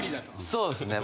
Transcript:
そうですね。